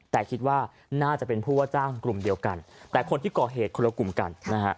แต่คิดว่าน่าจะเป็นผู้ว่าจ้างกลุ่มเดียวกันแต่คนที่ก่อเหตุคนละกลุ่มกันนะฮะ